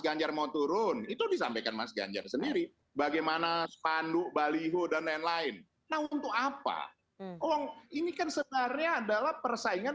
gajar sendiri bagaimana pandu baliho dan lain lain nah untuk apa ini kan sebenarnya adalah persaingan